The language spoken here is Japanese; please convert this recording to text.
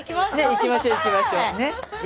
行きましょう行きましょう。